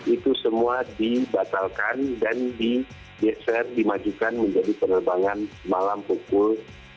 itu semua dibatalkan dan dimajukan menjadi penerbangan malam pukul dua puluh tiga lima puluh